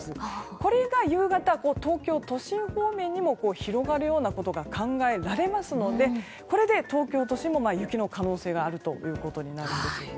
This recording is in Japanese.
これが夕方東京都心方面にも広がるようなことが考えられますのでこれで東京都心も雪の可能性があるということになるんです。